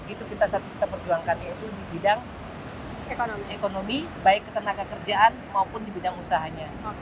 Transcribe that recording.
itu kita perjuangkan yaitu di bidang ekonomi baik ketenaga kerjaan maupun di bidang usahanya